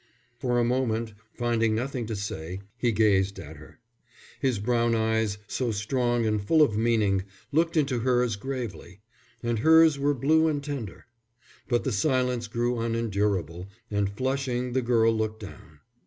For a moment, finding nothing to say, he gazed at her. His brown eyes, so strong and full of meaning, looked into hers gravely; and hers were blue and tender. But the silence grew unendurable, and flushing, the girl looked down.